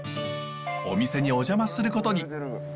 お店にお邪魔することに。